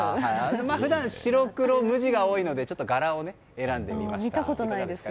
普段、白黒無地が多いのでちょっと柄を選んでみました。